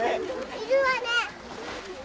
いるわね。